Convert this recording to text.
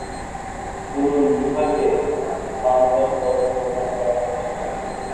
পুরুষ বিভাগে বালোঁ দর পদক প্রদান করা হয়ে থাকে।